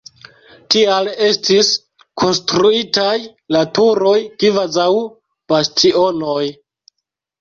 Tial estis konstruitaj la turoj kvazaŭ bastionoj.